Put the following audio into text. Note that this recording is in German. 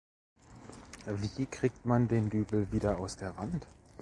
Wie kriegt man den Dübel wieder aus der Wand?